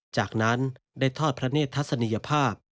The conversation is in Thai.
จากนั้นได้ทอดพระเนธทัศนียภาพ